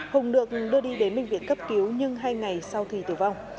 hùng được đưa đi đến bệnh viện cấp cứu nhưng hai ngày sau thì tử vong